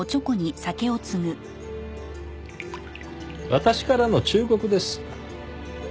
私からの忠告です。